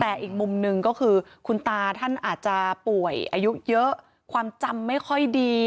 แต่อีกมุมหนึ่งก็คือคุณตาท่านอาจจะป่วยอายุเยอะความจำไม่ค่อยดี